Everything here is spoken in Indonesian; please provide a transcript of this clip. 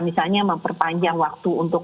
misalnya memperpanjang waktu untuk